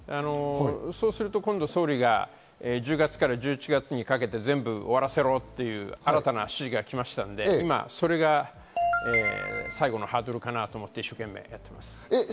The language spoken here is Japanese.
すると今度は総理が１０月から１１月にかけて全部終わらせろという新たな指示が来ましたので、今、それが最後のハードルかなと思って一生懸命しています。